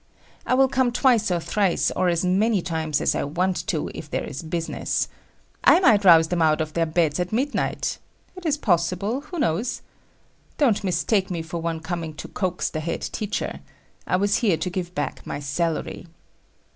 I will come twice or thrice or as many times as I want to if there is business. I might rouse them out of their beds at midnight;—it is possible, who knows. Don't mistake me for one coming to coax the head teacher. I was here to give back my salary.